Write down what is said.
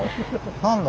何だ？